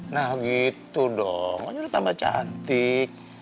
nah gitu dong aja udah tambah cantik